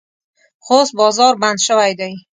خو اوس بازار بند شوی دی.